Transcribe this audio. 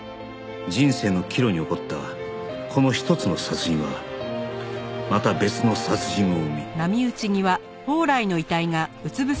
人生の岐路に起こったこの一つの殺人はまた別の殺人を生み